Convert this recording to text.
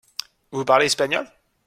Vous parlez espagnol ?